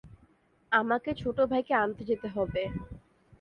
আমাকে ছোট ভাইকে আনতে যেতে হবে।